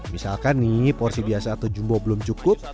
misalkan nih porsi biasa atau jumbo belum cukup